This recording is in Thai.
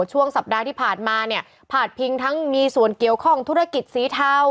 ช่วงสัปดาห์ที่ผ่านมาเนี่ยพาดพิงทั้งมีส่วนเกี่ยวข้องธุรกิจสีเทา